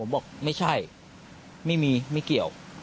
ผมบอกไม่ใช่ไม่มีไม่เกี่ยว